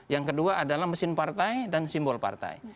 yang kedua adalah mesin partai dan simbol partai